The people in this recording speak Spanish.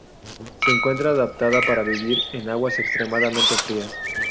Se encuentra adaptada para vivir en aguas extremadamente frías.